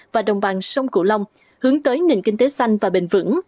và đồng bằng sông cửu long hướng tới nền kinh tế xanh và bền vững